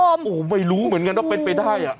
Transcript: โอ้โหไม่รู้เหมือนกันว่าเป็นไปได้อ่ะ